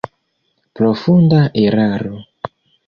Profunda eraro!